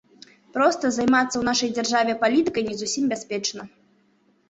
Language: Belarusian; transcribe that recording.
Проста, займацца ў нашай дзяржаве палітыкай не зусім бяспечна.